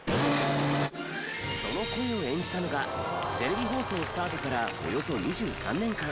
その声を演じたのがテレビ放送スタートからおよそ２３年間